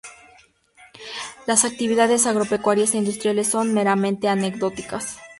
Las actividades agropecuarias e industriales son meramente anecdóticas.